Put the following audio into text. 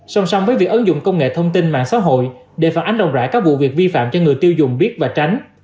song song với việc ứng dụng công nghệ thông tin mạng xã hội để phản ánh rộng rãi các vụ việc vi phạm cho người tiêu dùng biết và tránh